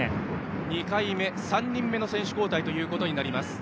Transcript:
２回目、３人目の選手交代となります。